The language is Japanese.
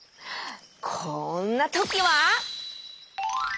こんなときは！